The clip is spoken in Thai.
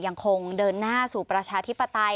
ยังคงเดินหน้าสู่ประชาธิปไตย